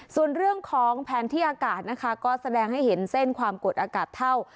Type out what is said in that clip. ส่วนเรื่องของแผนที่อากาศนะคะก็แสดงให้เห็นเส้นความกดอากาศเท่า